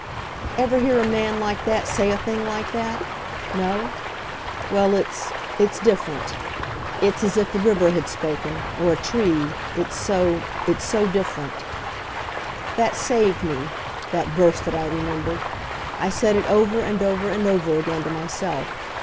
Ever hear a man like that say a thing like that? No? Well, it's it's different. It's as if the river had spoken or a tree it's so it's so different. That saved me that verse that I remembered. I said it over and over and over again to myself.